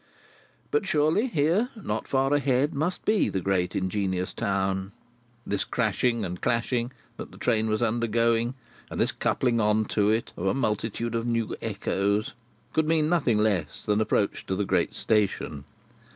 But surely, here not far ahead, must be the great ingenious town. This crashing and clashing that the train was undergoing, and this coupling on to it of a multitude of new echoes, could mean nothing less than approach to the great station.